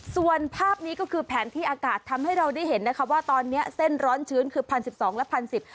ส่วนภาพนี้ก็คือแผนที่อากาศทำให้เราได้เห็นนะคะว่าตอนเนี้ยเส้นร้อนชื้นคือพันสิบสองและพันสิบ